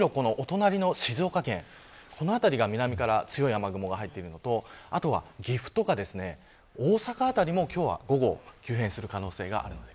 むしろお隣の静岡県辺りが南から強い雨雲が入っているのとあとは岐阜とか大阪辺りも今日は午後急変する可能性があります。